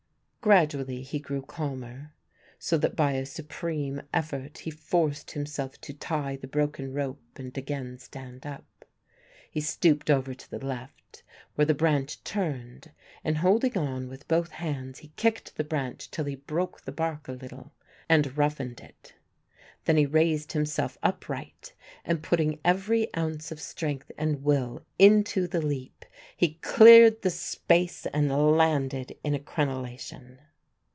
Gradually he grew calmer, so that by a supreme effort he forced himself to tie the broken rope and again stand up. He stooped over to the left, where the branch turned, and holding on with both hands he kicked the branch till he broke the bark a little and roughened it. Then he raised himself upright and putting every ounce of strength and will into the leap, he cleared the space and landed in a crenellation.